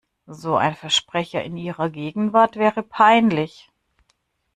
So ein Versprecher in ihrer Gegenwart wäre peinlich.